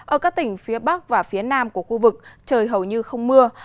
ở các tỉnh phía bắc và phía nam của khu vực trời hầu như không mưa